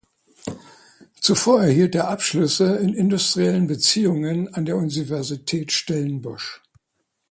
Zuvor erhielt er Abschlüsse in Industriellen Beziehungen (Diplom) an der Universität Stellenbosch (Südafrika).